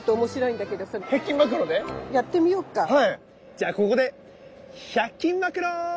じゃあここで１００均マクロ！